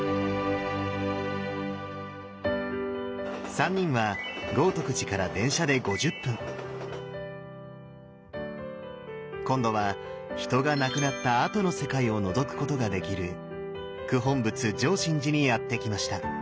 ３人は豪徳寺から電車で５０分今度は人が亡くなったあとの世界をのぞくことができる九品仏淨眞寺にやって来ました。